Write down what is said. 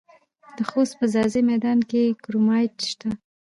د خوست په ځاځي میدان کې کرومایټ شته.